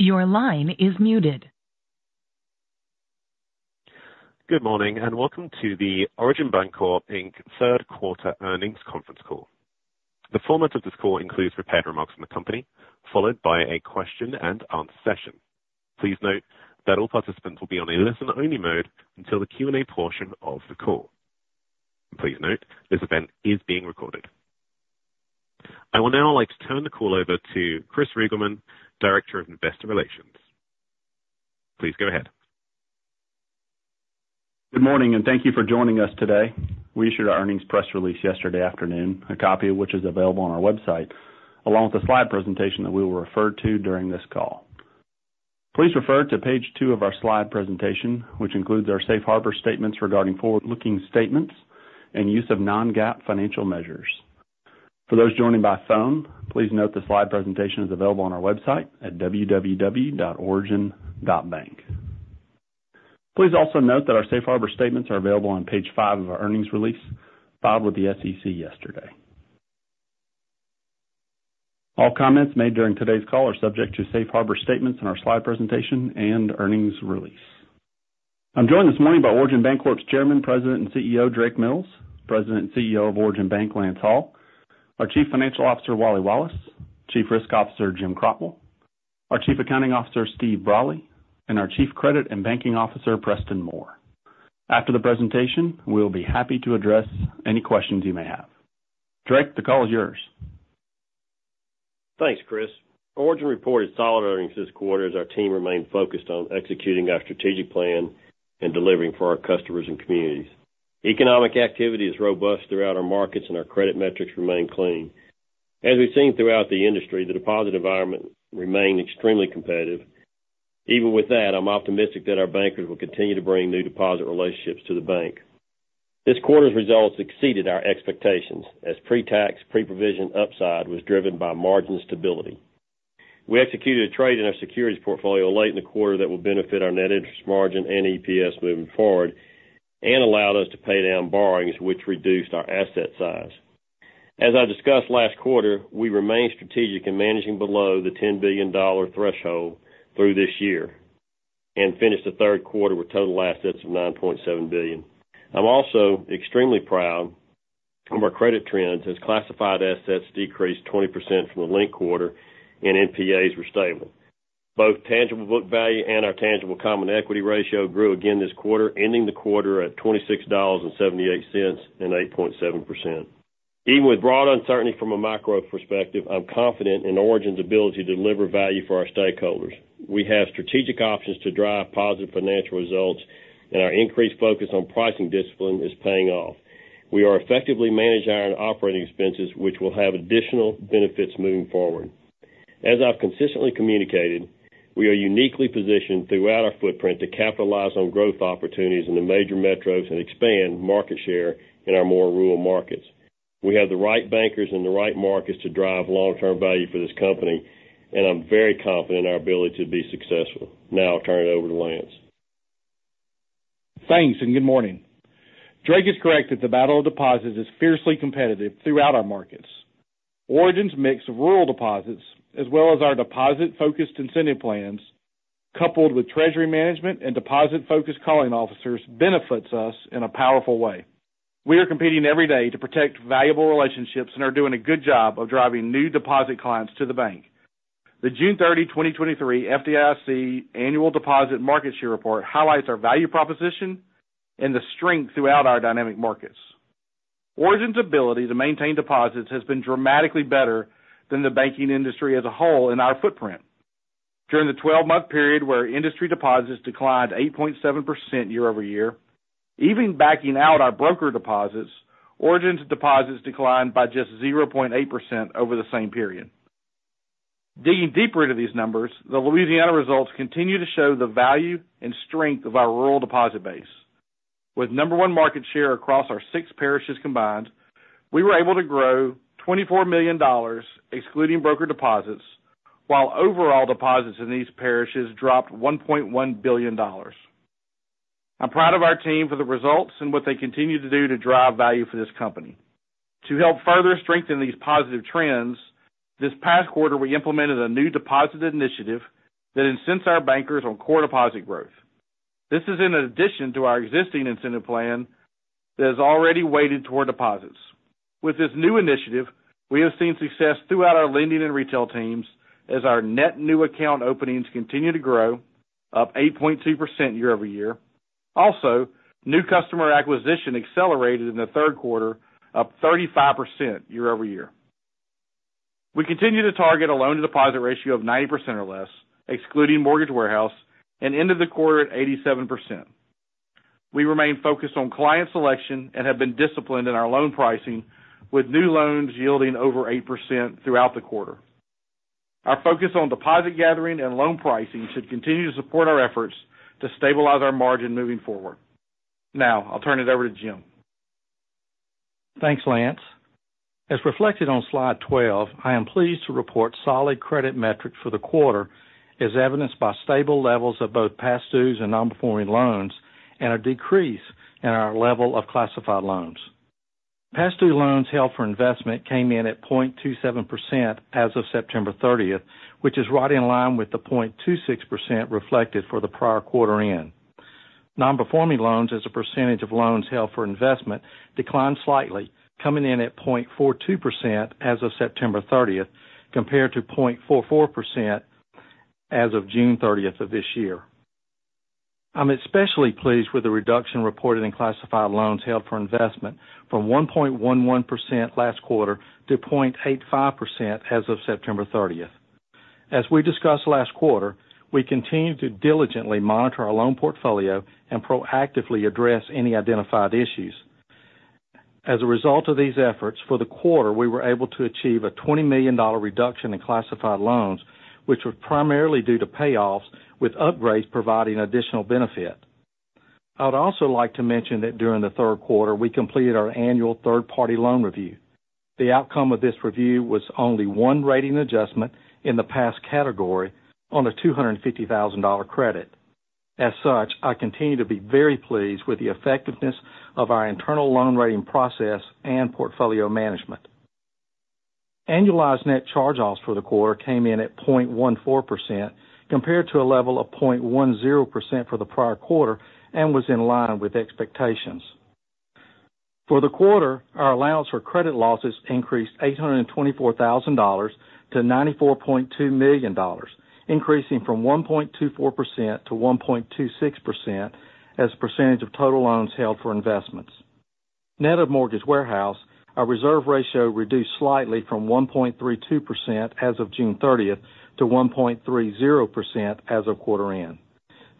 Your line is muted. Good morning, and welcome to the Origin Bancorp, Inc. Q3 earnings conference call. The format of this call includes prepared remarks from the company, followed by a question and answer session. Please note that all participants will be on a listen-only mode until the Q&A portion of the call. Please note, this event is being recorded. I will now like to turn the call over to Chris Reigelman, Director of Investor Relations. Please go ahead. Good morning, and thank you for joining us today. We issued our earnings press release yesterday afternoon, a copy of which is available on our website, along with the slide presentation that we will refer to during this call. Please refer to page 2 of our slide presentation, which includes our safe harbor statements regarding forward-looking statements and use of non-GAAP financial measures. For those joining by phone, please note the slide presentation is available on our website at www.origin.bank. Please also note that our safe harbor statements are available on page 5 of our earnings release, filed with the SEC yesterday. All comments made during today's call are subject to safe harbor statements in our slide presentation and earnings release. I'm joined this morning by Origin Bancorp's Chairman, President, and CEO, Drake Mills; President and CEO of Origin Bank, Lance Hall; our Chief Financial Officer, Wally Wallace; Chief Risk Officer, Jim Crotwell; our Chief Accounting Officer, Steve Brolly; and our Chief Credit and Banking Officer, Preston Moore. After the presentation, we'll be happy to address any questions you may have. Drake, the call is yours. Thanks, Chris. Origin reported solid earnings this quarter as our team remained focused on executing our strategic plan and delivering for our customers and communities. Economic activity is robust throughout our markets, and our credit metrics remain clean. As we've seen throughout the industry, the deposit environment remained extremely competitive. Even with that, I'm optimistic that our bankers will continue to bring new deposit relationships to the bank. This quarter's results exceeded our expectations, as pre-tax, pre-provision upside was driven by margin stability. We executed a trade in our securities portfolio late in the quarter that will benefit our net interest margin and EPS moving forward, and allowed us to pay down borrowings, which reduced our asset size. As I discussed last quarter, we remain strategic in managing below the $10 billion threshold through this year and finished the Q3 with total assets of $9.7 billion. I'm also extremely proud of our credit trends, as classified assets decreased 20% from the linked quarter and NPAs were stable. Both tangible book value and our tangible common equity ratio grew again this quarter, ending the quarter at $26.78 and 8.7%. Even with broad uncertainty from a macro perspective, I'm confident in Origin's ability to deliver value for our stakeholders. We have strategic options to drive positive financial results, and our increased focus on pricing discipline is paying off. We are effectively managing our operating expenses, which will have additional benefits moving forward. As I've consistently communicated, we are uniquely positioned throughout our footprint to capitalize on growth opportunities in the major metros and expand market share in our more rural markets. We have the right bankers in the right markets to drive long-term value for this company, and I'm very confident in our ability to be successful. Now I'll turn it over to Lance. Thanks, and good morning. Drake is correct that the battle of deposits is fiercely competitive throughout our markets. Origin's mix of rural deposits, as well as our deposit-focused incentive plans, coupled with treasury management and deposit-focused calling officers, benefits us in a powerful way. We are competing every day to protect valuable relationships and are doing a good job of driving new deposit clients to the bank. The June 30, 2023 FDIC Annual Deposit Market Share Report highlights our value proposition and the strength throughout our dynamic markets. Origin's ability to maintain deposits has been dramatically better than the banking industry as a whole in our footprint. During the 12-month period where industry deposits declined 8.7% year over year, even backing out our brokered deposits, Origin's deposits declined by just 0.8% over the same period. Digging deeper into these numbers, the Louisiana results continue to show the value and strength of our rural deposit base. With number one market share across our six parishes combined, we were able to grow $24 million, excluding brokered deposits, while overall deposits in these parishes dropped $1.1 billion. I'm proud of our team for the results and what they continue to do to drive value for this company. To help further strengthen these positive trends, this past quarter, we implemented a new deposit initiative that incentivizes our bankers on core deposit growth. This is in addition to our existing incentive plan that is already weighted toward deposits. With this new initiative, we have seen success throughout our lending and retail teams as our net new account openings continue to grow, up 8.2% year-over-year. Also, new customer acquisition accelerated in the Q3, up 35% year-over-year. We continue to target a loan-to-deposit ratio of 90% or less, excluding mortgage warehouse, and ended the quarter at 87%. We remain focused on client selection and have been disciplined in our loan pricing, with new loans yielding over 8% throughout the quarter. Our focus on deposit gathering and loan pricing should continue to support our efforts to stabilize our margin moving forward. Now, I'll turn it over to Jim. Thanks, Lance. As reflected on slide 12, I am pleased to report solid credit metrics for the quarter, as evidenced by stable levels of both past dues and nonperforming loans, and a decrease in our level of classified loans. ...Past due loans held for investment came in at 0.27% as of September thirtieth, which is right in line with the 0.26% reflected for the prior quarter end. Non-performing loans as a percentage of loans held for investment declined slightly, coming in at 0.42% as of September thirtieth, compared to 0.44% as of June thirtieth of this year. I'm especially pleased with the reduction reported in classified loans held for investment from 1.11% last quarter to 0.85% as of September thirtieth. As we discussed last quarter, we continue to diligently monitor our loan portfolio and proactively address any identified issues. As a result of these efforts, for the quarter, we were able to achieve a $20 million reduction in classified loans, which was primarily due to payoffs, with upgrades providing additional benefit. I would also like to mention that during the Q3, we completed our annual third-party loan review. The outcome of this review was only one rating adjustment in the past category on a $250,000 credit. As such, I continue to be very pleased with the effectiveness of our internal loan rating process and portfolio management. Annualized net charge-offs for the quarter came in at 0.14%, compared to a level of 0.10% for the prior quarter, and was in line with expectations. For the quarter, our allowance for credit losses increased $824,000 to $94.2 million, increasing from 1.24% to 1.26% as a percentage of total loans held for investments. Net of Mortgage Warehouse, our reserve ratio reduced slightly from 1.32% as of June 30th to 1.30% as of quarter end.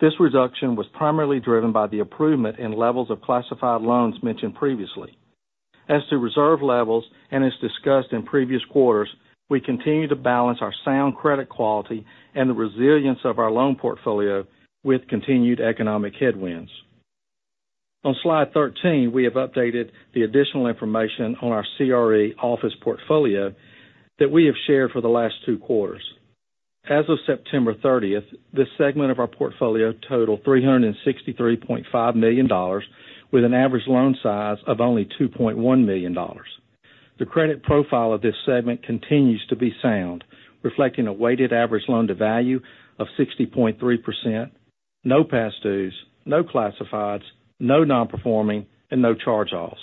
This reduction was primarily driven by the improvement in levels of classified loans mentioned previously. As to reserve levels, and as discussed in previous quarters, we continue to balance our sound credit quality and the resilience of our loan portfolio with continued economic headwinds. On Slide 13, we have updated the additional information on our CRE office portfolio that we have shared for the last two quarters. As of September 30th, this segment of our portfolio totaled $363.5 million, with an average loan size of only $2.1 million. The credit profile of this segment continues to be sound, reflecting a weighted average loan-to-value of 60.3%, no past dues, no classifieds, no non-performing, and no charge-offs.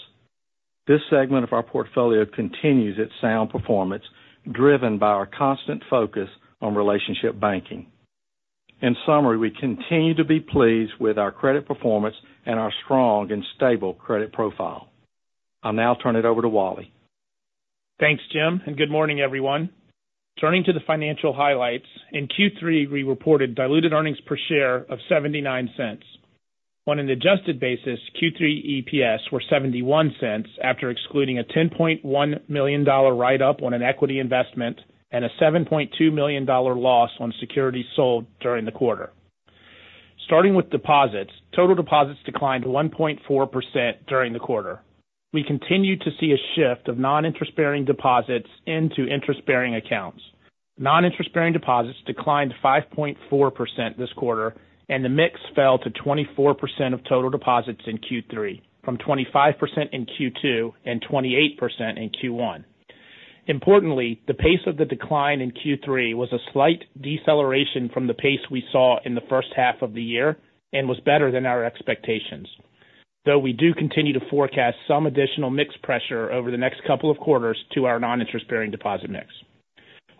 This segment of our portfolio continues its sound performance, driven by our constant focus on relationship banking. In summary, we continue to be pleased with our credit performance and our strong and stable credit profile. I'll now turn it over to Wally. Thanks, Jim, and good morning, everyone. Turning to the financial highlights, in Q3, we reported diluted earnings per share of $0.79. On an adjusted basis, Q3 EPS were $0.71, after excluding a $10.1 million write-up on an equity investment and a $7.2 million loss on securities sold during the quarter. Starting with deposits, total deposits declined 1.4% during the quarter. We continued to see a shift of non-interest-bearing deposits into interest-bearing accounts. Non-interest-bearing deposits declined 5.4% this quarter, and the mix fell to 24% of total deposits in Q3, from 25% in Q2 and 28% in Q1. Importantly, the pace of the decline in Q3 was a slight deceleration from the pace we saw in the H1 of the year and was better than our expectations, though we do continue to forecast some additional mix pressure over the next couple of quarters to our non-interest-bearing deposit mix.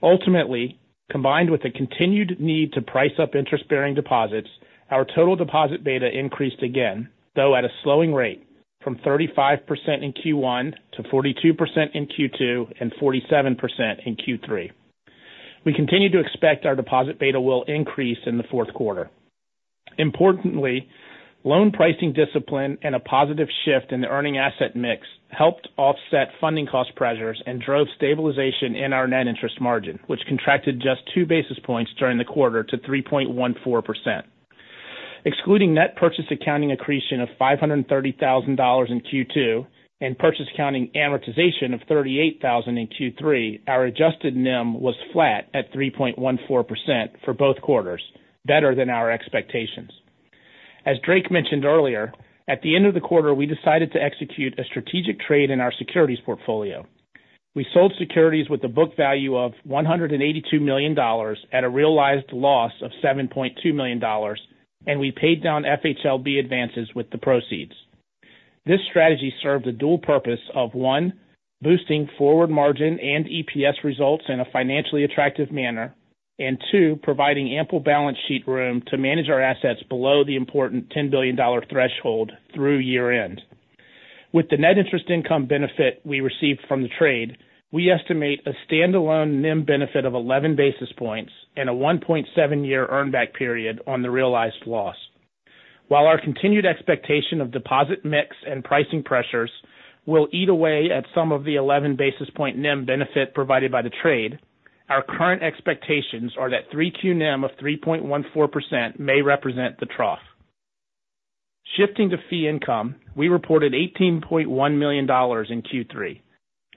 Ultimately, combined with the continued need to price up interest-bearing deposits, our total deposit beta increased again, though at a slowing rate from 35% in Q1 to 42% in Q2 and 47% in Q3. We continue to expect our deposit beta will increase in the Q4. Importantly, loan pricing discipline and a positive shift in the earning asset mix helped offset funding cost pressures and drove stabilization in our net interest margin, which contracted just 2 basis points during the quarter to 3.14%. Excluding net purchase accounting accretion of $530,000 in Q2 and purchase accounting amortization of $38,000 in Q3, our adjusted NIM was flat at 3.14% for both quarters, better than our expectations. As Drake mentioned earlier, at the end of the quarter, we decided to execute a strategic trade in our securities portfolio. We sold securities with a book value of $182 million at a realized loss of $7.2 million, and we paid down FHLB advances with the proceeds. This strategy served the dual purpose of, one, boosting forward margin and EPS results in a financially attractive manner, and two, providing ample balance sheet room to manage our assets below the important $10 billion threshold through year-end. With the net interest income benefit we received from the trade, we estimate a standalone NIM benefit of 11 basis points and a 1.7-year earn back period on the realized loss. While our continued expectation of deposit mix and pricing pressures will eat away at some of the 11 basis point NIM benefit provided by the trade, our current expectations are that 3Q NIM of 3.14% may represent the trough. Shifting to fee income, we reported $18.1 million in Q3.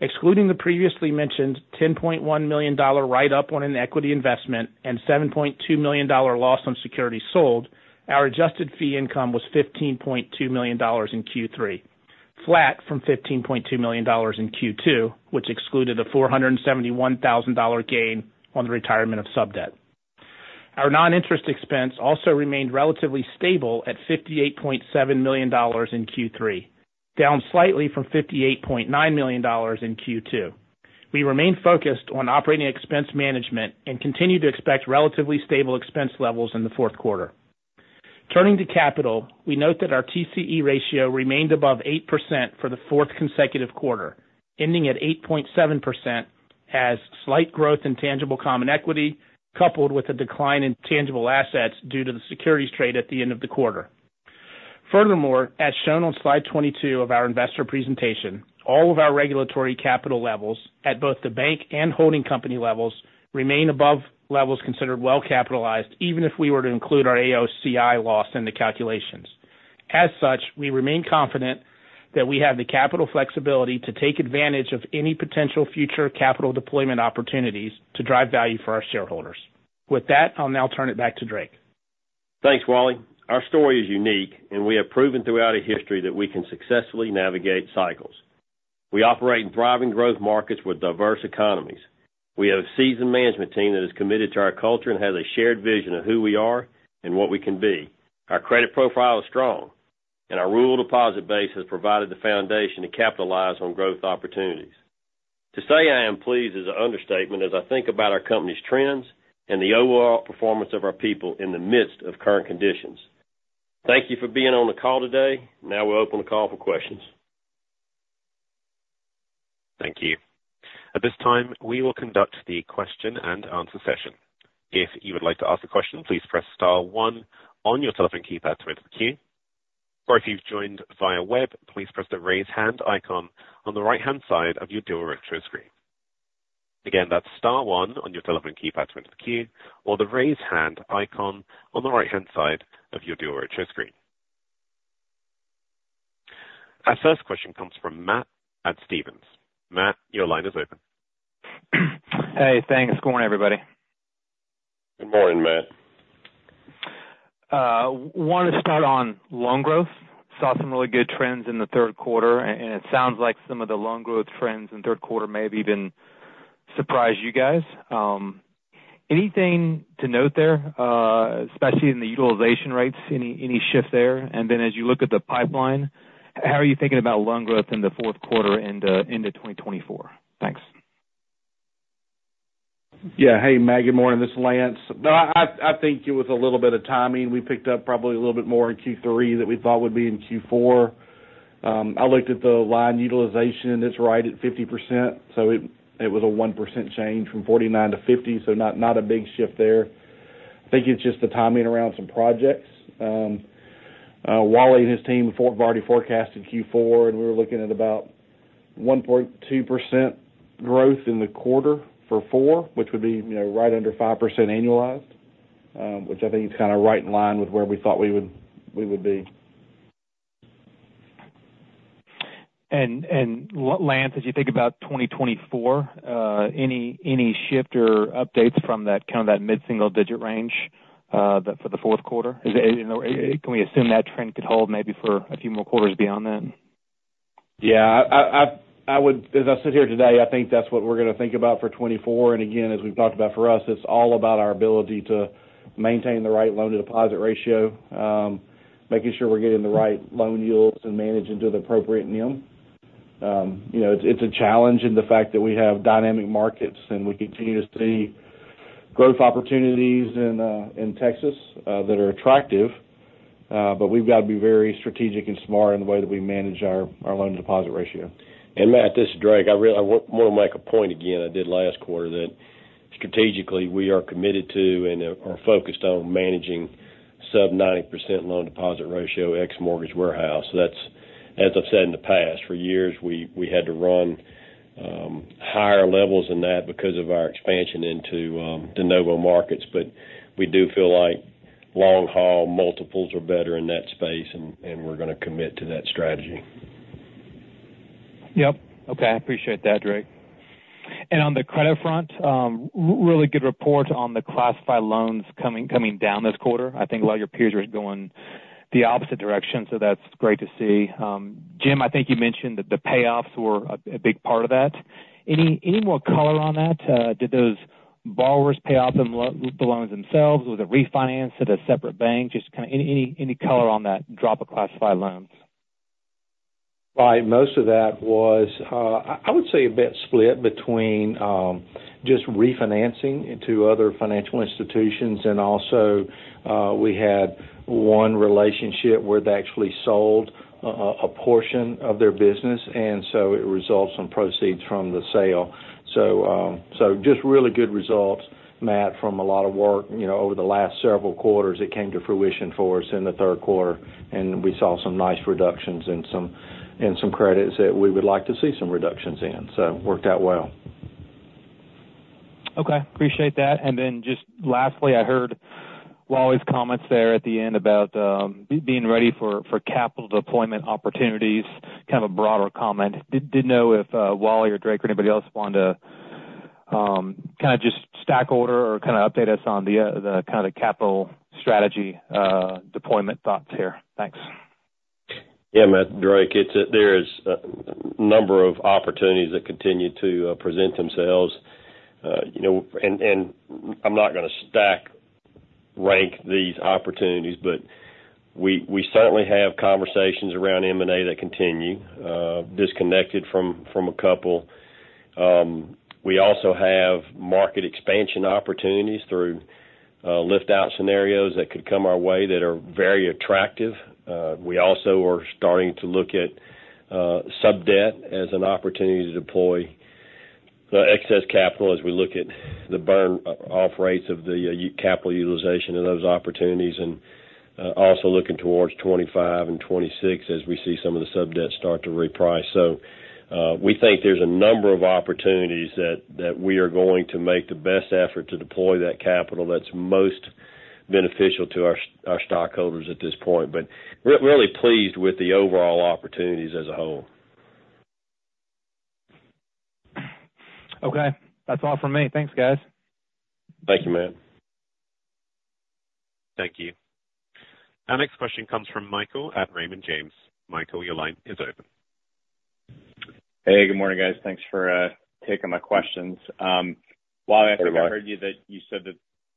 Excluding the previously mentioned $10.1 million write-up on an equity investment and $7.2 million loss on securities sold, our adjusted fee income was $15.2 million in Q3, flat from $15.2 million in Q2, which excluded a $471,000 gain on the retirement of sub debt. Our noninterest expense also remained relatively stable at $58.7 million in Q3, down slightly from $58.9 million in Q2. We remain focused on operating expense management and continue to expect relatively stable expense levels in the Q4. Turning to capital, we note that our TCE ratio remained above 8% for the fourth consecutive quarter, ending at 8.7%, as slight growth in tangible common equity, coupled with a decline in tangible assets due to the securities trade at the end of the quarter. Furthermore, as shown on slide 22 of our investor presentation, all of our regulatory capital levels, at both the bank and holding company levels, remain above levels considered well capitalized, even if we were to include our AOCI loss in the calculations. As such, we remain confident that we have the capital flexibility to take advantage of any potential future capital deployment opportunities to drive value for our shareholders. With that, I'll now turn it back to Drake. Thanks, Wally. Our story is unique, and we have proven throughout our history that we can successfully navigate cycles. We operate in thriving growth markets with diverse economies. We have a seasoned management team that is committed to our culture and has a shared vision of who we are and what we can be. Our credit profile is strong, and our rural deposit base has provided the foundation to capitalize on growth opportunities. To say I am pleased is an understatement as I think about our company's trends and the overall performance of our people in the midst of current conditions. Thank you for being on the call today. Now we'll open the call for questions. Thank you. At this time, we will conduct the question and answer session. If you would like to ask a question, please press star one on your telephone keypad to enter the queue, or if you've joined via web, please press the Raise Hand icon on the right-hand side of your Duo Retros screen. Again, that's star one on your telephone keypad to enter the queue, or the Raise Hand icon on the right-hand side of your Duo Retros screen. Our first question comes from Matt at Stephens. Matt, your line is open. Hey, thanks. Good morning, everybody. Good morning, Matt. Wanted to start on loan growth. Saw some really good trends in the Q3, and it sounds like some of the loan growth trends in Q3 maybe even surprised you guys. Anything to note there, especially in the utilization rates, any shift there? And then as you look at the pipeline, how are you thinking about loan growth in the Q4 into 2024? Thanks. Yeah. Hey, Matt, good morning. This is Lance. No, I think it was a little bit of timing. We picked up probably a little bit more in Q3 than we thought would be in Q4. I looked at the line utilization, and it's right at 50%, so it was a 1% change from 49 to 50, so not a big shift there. I think it's just the timing around some projects. Wally and his team have already forecasted Q4, and we're looking at about 1.2% growth in the quarter for four, which would be, you know, right under 5% annualized, which I think is kind of right in line with where we thought we would be. And, Lance, as you think about 2024, any shift or updates from that, kind of that mid-single digit range, that for the Q4? Is it, you know, can we assume that trend could hold maybe for a few more quarters beyond then? Yeah, I would, as I sit here today, I think that's what we're going to think about for 2024. And again, as we've talked about, for us, it's all about our ability to maintain the right loan-to-deposit ratio, making sure we're getting the right loan yields and managing to the appropriate NIM. You know, it's a challenge in the fact that we have dynamic markets, and we continue to see growth opportunities in Texas that are attractive, but we've got to be very strategic and smart in the way that we manage our loan deposit ratio. And Matt, this is Drake. I want to make a point again, I did last quarter, that strategically, we are committed to and are focused on managing sub 90% loan deposit ratio, ex mortgage warehouse. So that's, as I've said in the past, for years, we had to run higher levels than that because of our expansion into de novo markets. But we do feel like long haul multiples are better in that space, and we're going to commit to that strategy. Yep. Okay, I appreciate that, Drake. And on the credit front, really good report on the classified loans coming down this quarter. I think a lot of your peers are going the opposite direction, so that's great to see. Jim, I think you mentioned that the payoffs were a big part of that. Any more color on that? Did those borrowers pay off the loans themselves? Was it refinanced at a separate bank? Just kind of any color on that drop of classified loans. Right. Most of that was, I would say a bit split between, just refinancing into other financial institutions, and also, we had one relationship where they actually sold a portion of their business, and so it results in proceeds from the sale. So, so just really good results, Matt, from a lot of work, you know, over the last several quarters, it came to fruition for us in the Q3, and we saw some nice reductions in some credits that we would like to see some reductions in. So it worked out well. Okay, appreciate that. And then just lastly, I heard Wally's comments there at the end about being ready for capital deployment opportunities, kind of a broader comment. Didn't know if Wally or Drake or anybody else wanted to kind of just stack order or kind of update us on the kind of capital strategy deployment thoughts here. Thanks. Yeah, Matt, Drake, it's, there is a number of opportunities that continue to, you know, present themselves. You know, and I'm not going to stack rank these opportunities, but we certainly have conversations around M&A that continue, disconnected from a couple. We also have market expansion opportunities through lift-out scenarios that could come our way that are very attractive. We also are starting to look at sub-debt as an opportunity to deploy the excess capital as we look at the burn-off rates of the capital utilization and those opportunities, and also looking towards 2025 and 2026 as we see some of the sub-debt start to reprice. We think there's a number of opportunities that we are going to make the best effort to deploy that capital that's most beneficial to our stockholders at this point. But we're really pleased with the overall opportunities as a whole. Okay. That's all for me. Thanks, guys. Thank you, Matt. Thank you. Our next question comes from Michael at Raymond James. Michael, your line is open. Hey, good morning, guys. Thanks for taking my questions. Wally, I think I heard you that you said that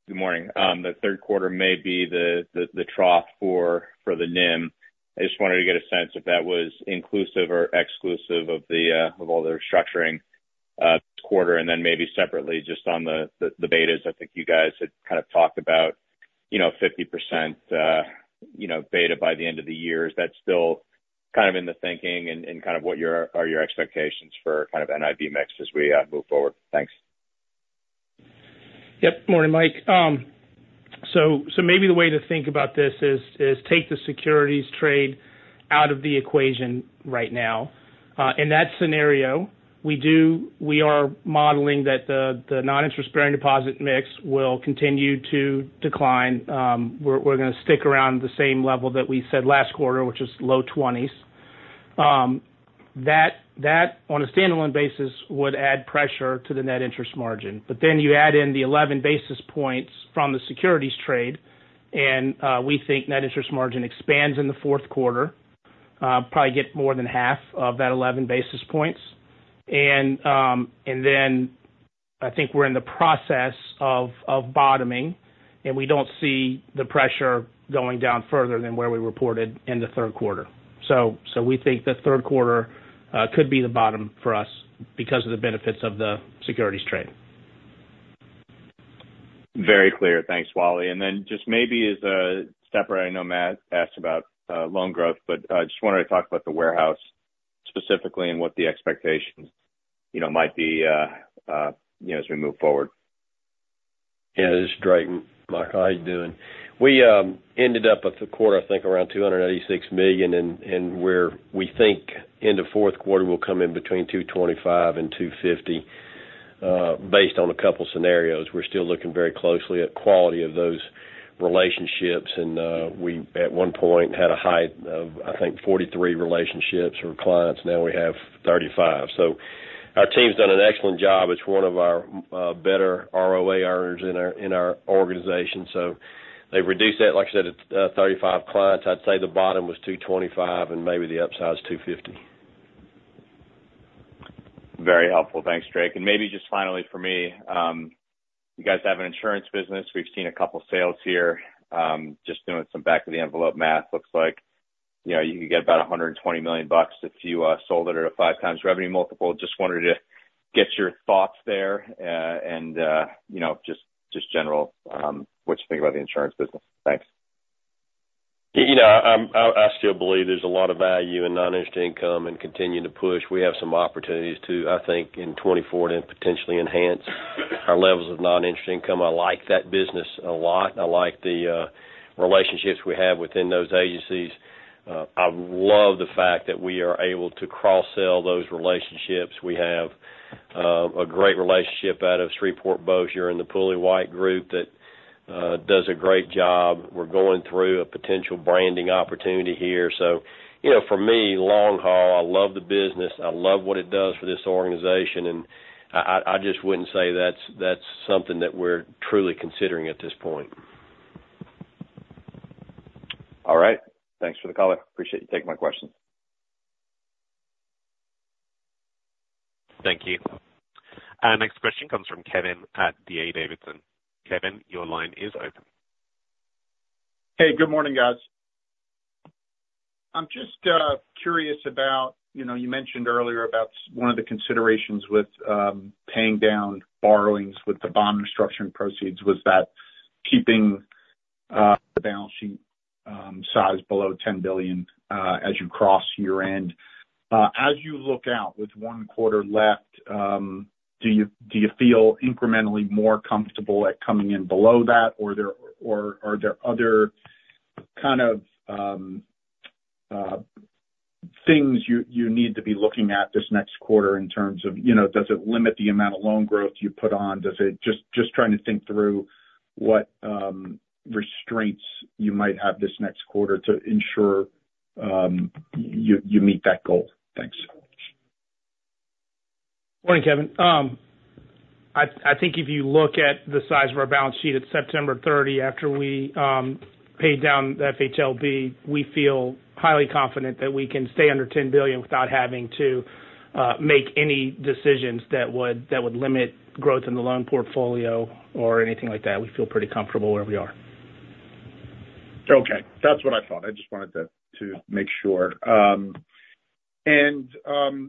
the Q3 may be the trough for the NIM. I just wanted to get a sense if that was inclusive or exclusive of all the restructuring quarter, and then maybe separately, just on the betas. I think you guys had kind of talked about, you know, 50%, you know, beta by the end of the year. Is that still kind of in the thinking and kind of what your expectations for kind of NIM mix as we move forward? Thanks. Yep. Morning, Mike. So maybe the way to think about this is to take the securities trade out of the equation right now. In that scenario, we do—we are modeling that the noninterest-bearing deposit mix will continue to decline. We're gonna stick around the same level that we said last quarter, which is low 20s%. That, on a standalone basis, would add pressure to the net interest margin. But then you add in the 11 basis points from the securities trade, and we think net interest margin expands in the Q4, probably get more than half of that 11 basis points. And then I think we're in the process of bottoming, and we don't see the pressure going down further than where we reported in the Q3. So we think the Q3 could be the bottom for us because of the benefits of the securities trade. Very clear. Thanks, Wally. And then just maybe as a separate, I know Matt asked about loan growth, but just wanted to talk about the warehouse specifically and what the expectations, you know, might be, you know, as we move forward. Yeah, this is Drake. Mike, how you doing? We ended up with the quarter, I think, around $286 million, and we're -- we think in the Q4, we'll come in between $225 million and $250 million, based on a couple scenarios. We're still looking very closely at quality of those relationships, and we, at one point, had a high of, I think, 43 relationships or clients, now we have 35. So our team's done an excellent job. It's one of our better ROA earners in our organization. So they've reduced that, like I said, it's 35 clients. I'd say the bottom was $225 million, and maybe the upside is $250 million. Very helpful. Thanks, Drake. And maybe just finally for me, you guys have an insurance business. We've seen a couple sales here. Just doing some back of the envelope math, looks like, you know, you could get about $120 million if you sold it at a 5x revenue multiple. Just wanted to get your thoughts there, and, you know, just, just general, what you think about the insurance business. Thanks. You know, I still believe there's a lot of value in non-interest income and continuing to push. We have some opportunities to, I think, in 2024 to potentially enhance our levels of non-interest income. I like that business a lot. I like the relationships we have within those agencies. I love the fact that we are able to cross-sell those relationships. We have a great relationship out of Shreveport, Bossier in the Pooley-White group that does a great job. We're going through a potential branding opportunity here. So, you know, for me, long haul, I love the business. I love what it does for this organization, and I just wouldn't say that's something that we're truly considering at this point. All right. Thanks for the call. Appreciate you taking my questions. Thank you. Our next question comes from Kevin at D.A. Davidson. Kevin, your line is open. Hey, good morning, guys. I'm just curious about, you know, you mentioned earlier about one of the considerations with paying down borrowings with the bond restructuring proceeds, was that keeping the balance sheet size below $10 billion as you cross year-end. As you look out with one quarter left, do you feel incrementally more comfortable at coming in below that, or are there other kind of things you need to be looking at this next quarter in terms of, you know, does it limit the amount of loan growth you put on? Does it, just, just trying to think through what restraints you might have this next quarter to ensure you meet that goal. Thanks. Morning, Kevin. I think if you look at the size of our balance sheet at September 30, after we paid down the FHLB, we feel highly confident that we can stay under $10 billion without having to make any decisions that would limit growth in the loan portfolio or anything like that. We feel pretty comfortable where we are. Okay, that's what I thought. I just wanted to make sure. And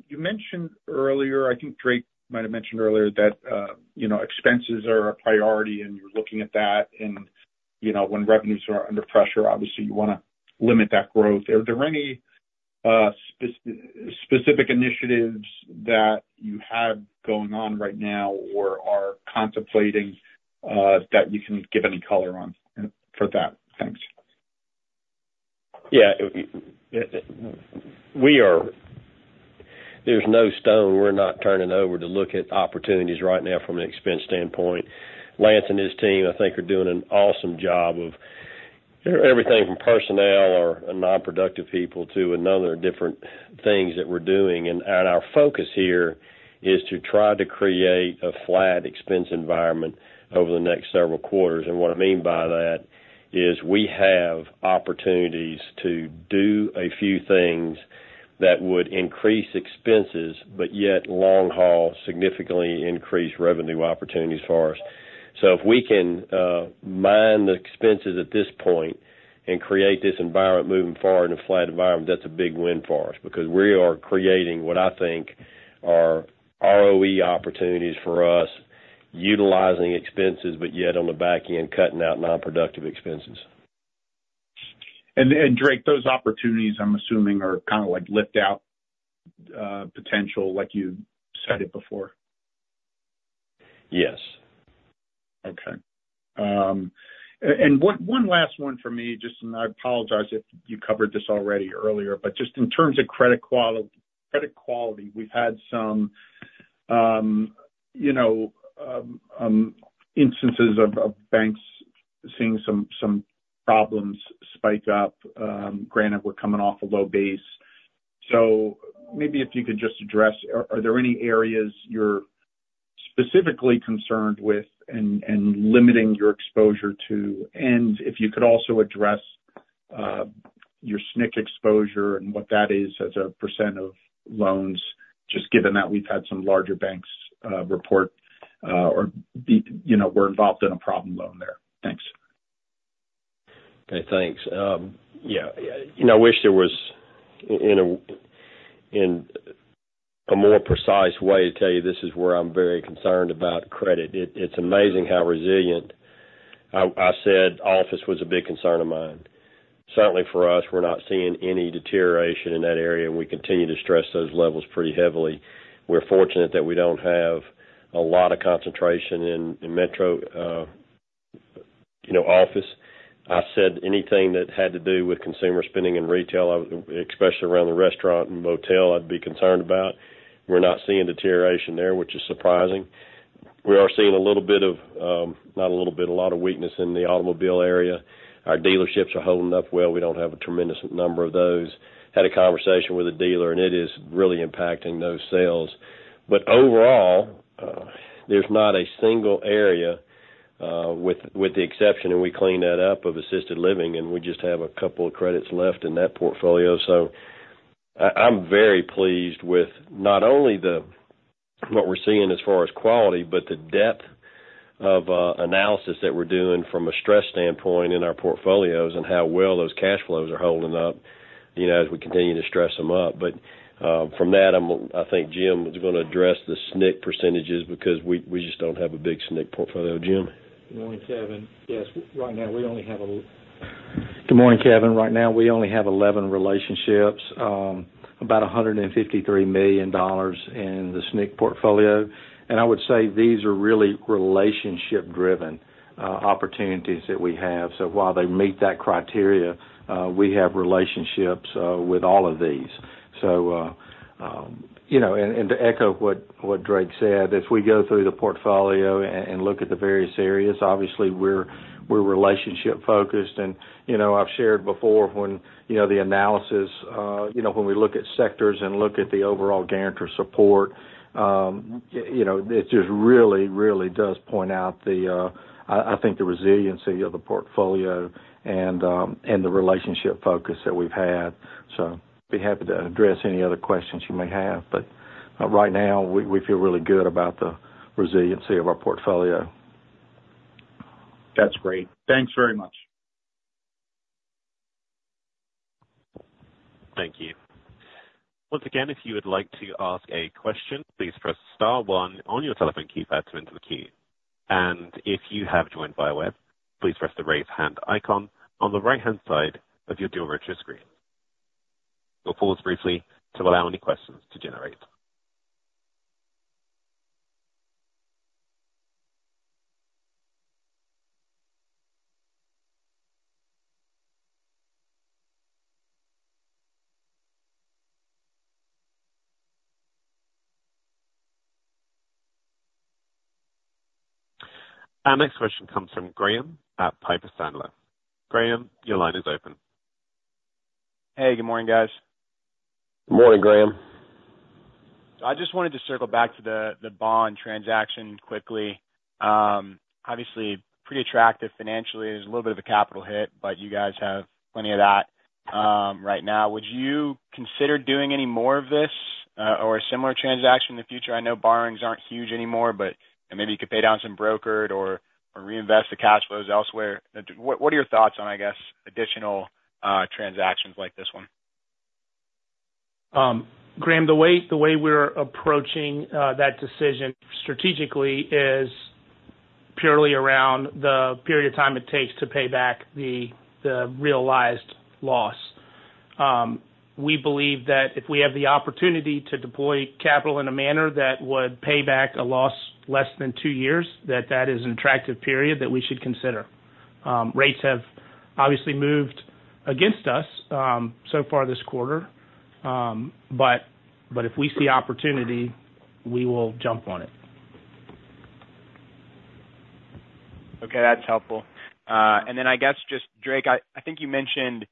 you mentioned earlier, I think Drake might have mentioned earlier, that you know, expenses are a priority, and you're looking at that. And you know, when revenues are under pressure, obviously you want to limit that growth. Are there any specific initiatives that you have going on right now or are contemplating that you can give any color on for that? Thanks. Yeah, we are. There's no stone we're not turning over to look at opportunities right now from an expense standpoint. Lance and his team, I think, are doing an awesome job of everything from personnel or non-productive people to another different things that we're doing. And our focus here is to try to create a flat expense environment over the next several quarters. And what I mean by that is, we have opportunities to do a few things that would increase expenses, but yet long haul, significantly increase revenue opportunities for us. So if we can mine the expenses at this point and create this environment moving forward in a flat environment, that's a big win for us because we are creating what I think are ROE opportunities for us, utilizing expenses, but yet on the back end, cutting out non-productive expenses. Drake, those opportunities, I'm assuming, are kind of like lift-out potential, like you said it before? Yes. Okay. And one last one for me, just, and I apologize if you covered this already earlier, but just in terms of credit quality, we've had some, you know, instances of banks seeing some problems spike up. Granted, we're coming off a low base. So maybe if you could just address, are there any areas you're specifically concerned with and limiting your exposure to? And if you could also address your SNC exposure and what that is as a % of loans, just given that we've had some larger banks report or, you know, were involved in a problem loan there. Thanks. Okay, thanks. Yeah, you know, I wish there was a more precise way to tell you this is where I'm very concerned about credit. It's amazing how resilient... I said office was a big concern of mine. Certainly for us, we're not seeing any deterioration in that area, and we continue to stress those levels pretty heavily. We're fortunate that we don't have a lot of concentration in metro, you know, office. I said anything that had to do with consumer spending and retail, especially around the restaurant and motel, I'd be concerned about. We're not seeing deterioration there, which is surprising. We are seeing a little bit of, not a little bit, a lot of weakness in the automobile area. Our dealerships are holding up well. We don't have a tremendous number of those. Had a conversation with a dealer, and it is really impacting those sales. But overall, there's not a single area with the exception, and we cleaned that up, of assisted living, and we just have a couple of credits left in that portfolio. So I'm very pleased with not only what we're seeing as far as quality, but the depth of analysis that we're doing from a stress standpoint in our portfolios and how well those cash flows are holding up, you know, as we continue to stress them up. But from that, I think Jim is going to address the SNC percentages because we just don't have a big SNC portfolio. Jim? Good morning, Kevin. Right now, we only have 11 relationships, about $153 million in the SNC portfolio. And I would say these are really relationship-driven opportunities that we have. So while they meet that criteria, we have relationships with all of these. So, you know, and to echo what Drake said, as we go through the portfolio and look at the various areas, obviously, we're relationship-focused. And, you know, I've shared before when, you know, the analysis, you know, when we look at sectors and look at the overall guarantor support, you know, it just really, really does point out the, I think, the resiliency of the portfolio and, and the relationship focus that we've had. So be happy to address any other questions you may have, but right now, we feel really good about the resiliency of our portfolio. That's great. Thanks very much. Thank you. Once again, if you would like to ask a question, please press star one on your telephone keypad to enter the queue. And if you have joined via web, please press the Raise Hand icon on the right-hand side of your dual retro screen. We'll pause briefly to allow any questions to generate. Our next question comes from Graham at Piper Sandler. Graham, your line is open. Hey, good morning, guys. Good morning, Graham. So I just wanted to circle back to the, the bond transaction quickly. Obviously, pretty attractive financially. There's a little bit of a capital hit, but you guys have plenty of that, right now. Would you consider doing any more of this, or a similar transaction in the future? I know borrowings aren't huge anymore, but maybe you could pay down some brokered or, or reinvest the cash flows elsewhere. What, what are your thoughts on, I guess, additional, transactions like this one? Graham, the way we're approaching that decision strategically is purely around the period of time it takes to pay back the realized loss. We believe that if we have the opportunity to deploy capital in a manner that would pay back a loss less than two years, that that is an attractive period that we should consider. Rates have obviously moved against us so far this quarter. But if we see opportunity, we will jump on it. Okay, that's helpful. And then I guess just Drake, I think you mentioned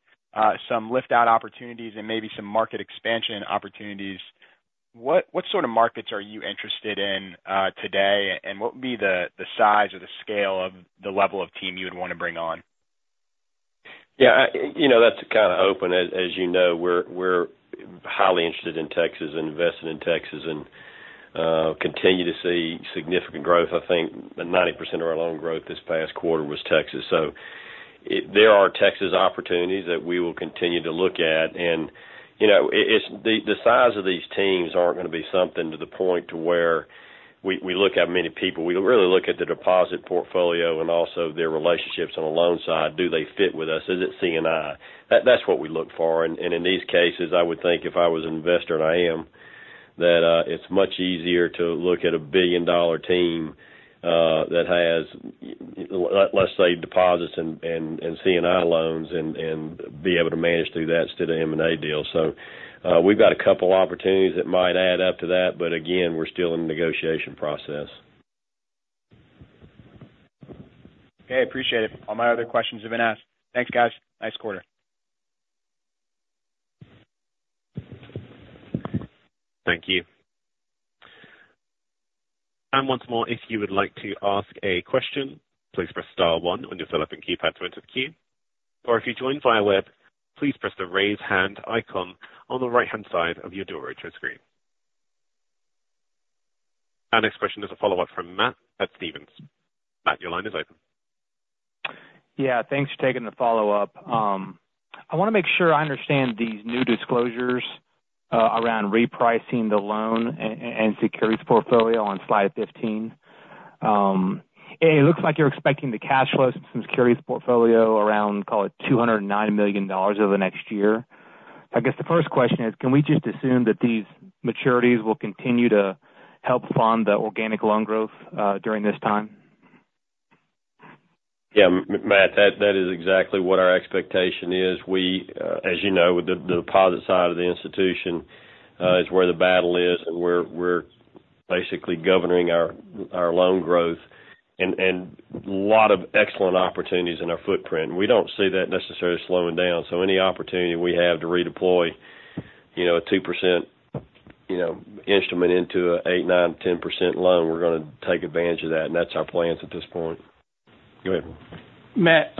some lift out opportunities and maybe some market expansion opportunities. What sort of markets are you interested in today? And what would be the size or the scale of the level of team you would want to bring on? Yeah, you know, that's kind of open. As you know, we're highly interested in Texas, investing in Texas, and continue to see significant growth. I think 90% of our loan growth this past quarter was Texas. So there are Texas opportunities that we will continue to look at. And, you know, it's the size of these teams aren't going to be something to the point where we look at how many people. We really look at the deposit portfolio and also their relationships on the loan side. Do they fit with us? Is it C&I? That's what we look for. And in these cases, I would think if I was an investor, and I am, that it's much easier to look at a billion-dollar team that has, let's say, deposits and C&I loans and be able to manage through that instead of the M&A deal. So, we've got a couple opportunities that might add up to that, but again, we're still in the negotiation process. Okay, appreciate it. All my other questions have been asked. Thanks, guys. Nice quarter. Thank you. Once more, if you would like to ask a question, please press star one on your telephone keypad to enter the queue, or if you joined via web, please press the Raise Hand icon on the right-hand side of your dual retro screen. Our next question is a follow-up from Matt at Stephens. Matt, your line is open. Yeah, thanks for taking the follow-up. I want to make sure I understand these new disclosures around repricing the loan and securities portfolio on slide 15. It looks like you're expecting the cash flows from the securities portfolio around, call it, $290 million over the next year. I guess the first question is, can we just assume that these maturities will continue to help fund the organic loan growth during this time? Yeah, Matt, that, that is exactly what our expectation is. We, as you know, the, the deposit side of the institution, is where the battle is, and we're, we're basically governing our, our loan growth and, and a lot of excellent opportunities in our footprint. We don't see that necessarily slowing down, so any opportunity we have to redeploy, you know, a 2%, you know, instrument into an 8%-10% loan, we're going to take advantage of that, and that's our plans at this point. Go ahead. Matt,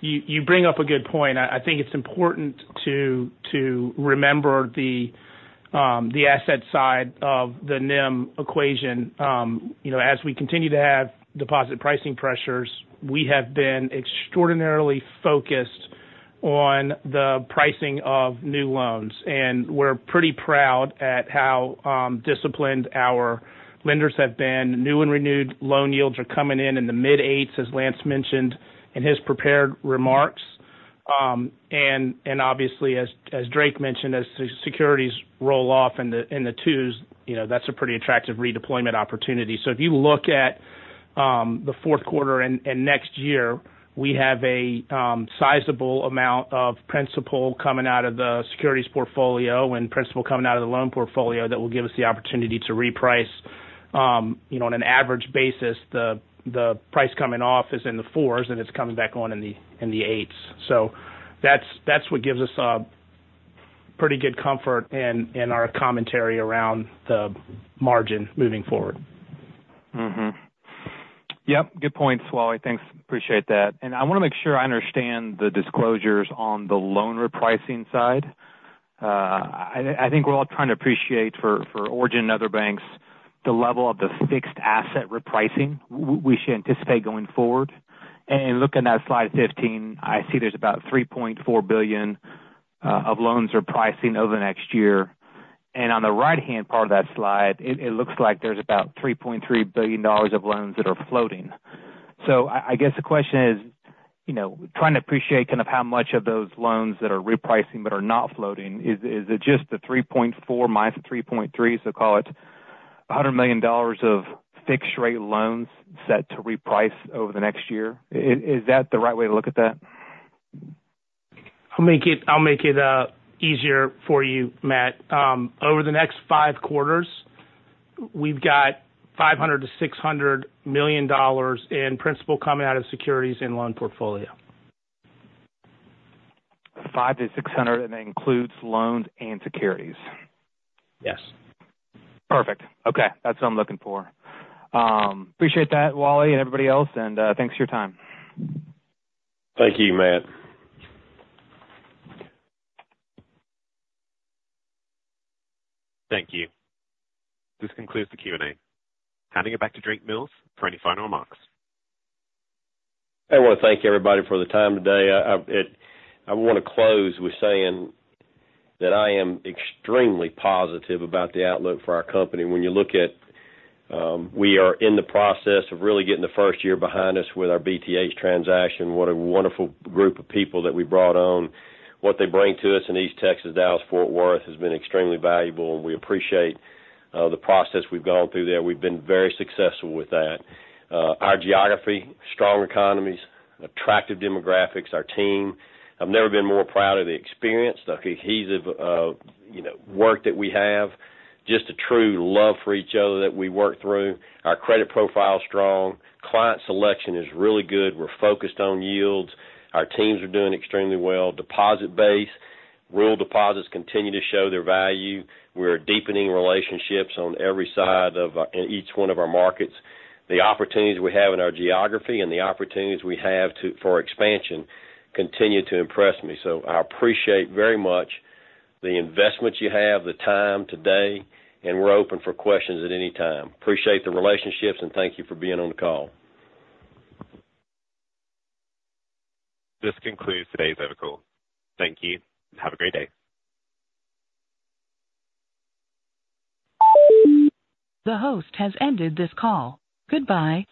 you bring up a good point. I think it's important to remember the asset side of the NIM equation. You know, as we continue to have deposit pricing pressures, we have been extraordinarily focused on the pricing of new loans, and we're pretty proud at how disciplined our lenders have been. New and renewed loan yields are coming in the mid-eights, as Lance mentioned in his prepared remarks. And obviously, as Drake mentioned, as securities roll off in the twos, you know, that's a pretty attractive redeployment opportunity. So if you look at the Q4 and next year, we have a sizable amount of principal coming out of the securities portfolio and principal coming out of the loan portfolio that will give us the opportunity to reprice, you know, on an average basis, the price coming off is in the fours, and it's coming back on in the eights. So that's what gives us a pretty good comfort in our commentary around the margin moving forward. Mm-hmm. Yep, good point, Wally. Thanks. Appreciate that. And I want to make sure I understand the disclosures on the loan repricing side. I think we're all trying to appreciate for Origin and other banks the level of the fixed asset repricing we should anticipate going forward. And looking at slide 15, I see there's about $3.4 billion of loans repricing over the next year. And on the right-hand part of that slide, it looks like there's about $3.3 billion of loans that are floating. So I guess the question is, you know, trying to appreciate kind of how much of those loans that are repricing but are not floating is it just the 3.4 minus the 3.3, so call it $100 million of fixed-rate loans set to reprice over the next year? Is that the right way to look at that? I'll make it, I'll make it, easier for you, Matt. Over the next five quarters, we've got $500 -600 million in principal coming out of securities and loan portfolio. $500-$600, and that includes loans and securities? Yes. Perfect. Okay, that's what I'm looking for. Appreciate that, Wally, and everybody else, and thanks for your time. Thank you, Matt. Thank you. This concludes the Q&A. Handing it back to Drake Mills for any final remarks. I want to thank everybody for the time today. I want to close with saying that I am extremely positive about the outlook for our company. When you look at, we are in the process of really getting the first year behind us with our BTH transaction. What a wonderful group of people that we brought on. What they bring to us in East Texas, Dallas-Fort Worth, has been extremely valuable, and we appreciate the process we've gone through there. We've been very successful with that. Our geography, strong economies, attractive demographics, our team. I've never been more proud of the experience, the cohesive, you know, work that we have. Just a true love for each other that we work through. Our credit profile is strong. Client selection is really good. We're focused on yields. Our teams are doing extremely well. Deposit base, rural deposits continue to show their value. We're deepening relationships on every side of, in each one of our markets. The opportunities we have in our geography and the opportunities we have for expansion continue to impress me. So I appreciate very much the investment you have, the time today, and we're open for questions at any time. Appreciate the relationships, and thank you for being on the call. This concludes today's conference call. Thank you. Have a great day. The host has ended this call. Goodbye.